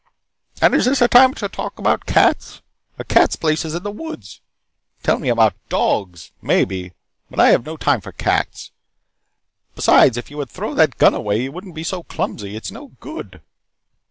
"And is this a time to talk about cats? A cat's place is in the woods. Tell me about dogs, maybe, but I have no time for cats. Besides, if you would throw that gun away you wouldn't be so clumsy. It's no good."